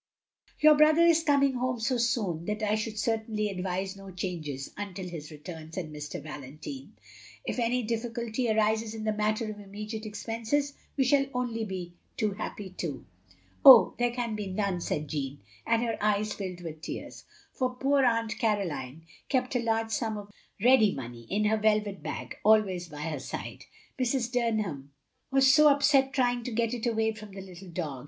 "Your brother is coming home so soon that I shotild certainly advise no changes until his return," said Mr. Valentine. "If any difficulty arises in the matter of immediate expenses — we shall be only too happy to—" " Oh, there can be none, " said Jeanne, and her eyes filled with tears, "for poor Aunt Caroline kept a large sum of ready money in her velvet bag, always by her side. Mrs. Dunham was so upset trying to get it away from the little dog.